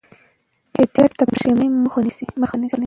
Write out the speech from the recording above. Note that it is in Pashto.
احتیاط د پښېمانۍ مخه نیسي.